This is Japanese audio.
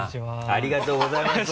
ありがとうございます。